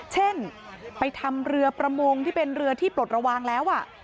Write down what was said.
เช่นไปทำเรือประมงที่เป็นเรือที่ปลดระวังแล้ว